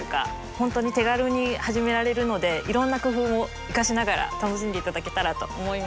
本当に手軽に始められるのでいろんな工夫を生かしながら楽しんでいただけたらと思います。